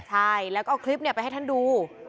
ใช่แล้วก็เอาคลิปไปให้ท่านดู